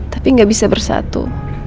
tapi gak bisa bersatu